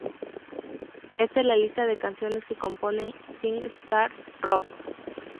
Esta es la lista de canciones que componen SingStar Rocks!.